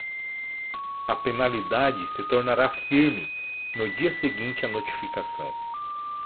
A penalidade se tornará firme no dia seguinte à notificação.